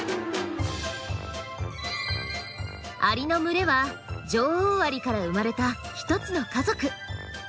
アリの群れは女王アリから生まれたひとつの家族。